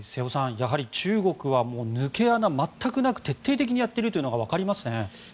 やはり中国は抜け穴なく徹底的にやっているのがわかりますね。